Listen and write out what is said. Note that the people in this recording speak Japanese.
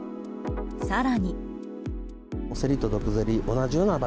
更に。